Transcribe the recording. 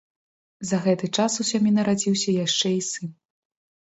За гэты час у сям'і нарадзіўся яшчэ і сын.